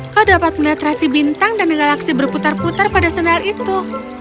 kau dapat melihat rasi bintang dan galaksi berputar putar pada senal itu